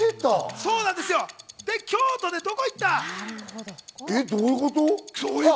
京都でどこいった？